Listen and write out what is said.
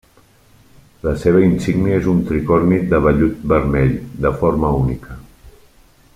La seva insígnia és un tricorni de vellut vermell de forma única.